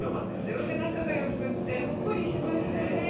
すごく仲がよくってほっこりしましたね。